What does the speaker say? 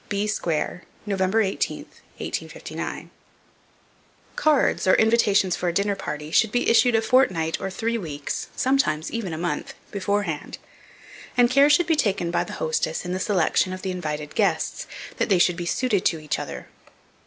B SQUARE, November 18th, 1859. Cards, or invitations for a dinner party, should be issued a fortnight or three weeks (sometimes even a month) beforehand, and care should be taken by the hostess, in the selection of the invited guests, that they should be suited to each other.